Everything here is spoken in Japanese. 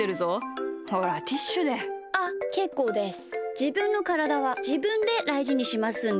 じぶんのからだはじぶんでだいじにしますんで。